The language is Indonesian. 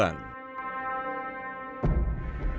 ketika kembali ke jepang